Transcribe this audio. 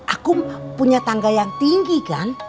aku punya tangga yang tinggi kan